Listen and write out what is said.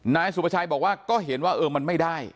นายสุภาชัยบอกว่าก็เห็นว่าเออมันไม่ได้